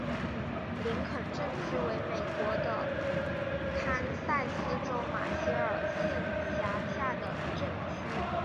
林肯镇区为美国堪萨斯州马歇尔县辖下的镇区。